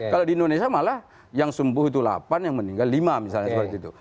kalau di indonesia malah yang sembuh itu delapan yang meninggal lima misalnya seperti itu